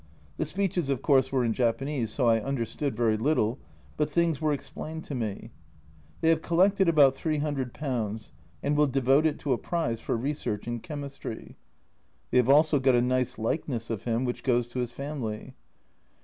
The speeches, of course, were in Japanese, so I understood very little, but things were explained to me. They have col lected about ^300, and will devote it to a prize for research in chemistry. They have also got a nice likeness of him, which goes to his family.